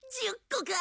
１０個か？